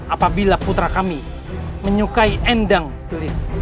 apabila putra kami menyukai endang gelis